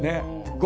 ５！